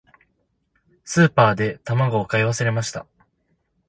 スーパーで卵を買い忘れました。